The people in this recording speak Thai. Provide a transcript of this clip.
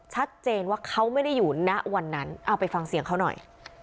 ชัดเจนว่าเขาไม่ได้อยู่ณวันนั้นเอาไปฟังเสียงเขาหน่อย